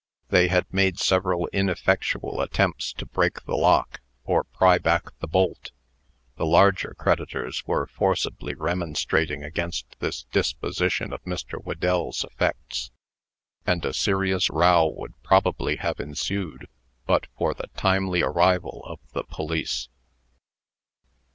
They had made several ineffectual attempts to break the lock, or pry back the bolt. The larger creditors were forcibly remonstrating against this disposition of Mr. Whedell's effects; and a serious row would probably have ensued, but for the timely arrival of the police.